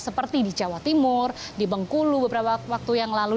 seperti di jawa timur di bengkulu beberapa waktu yang lalu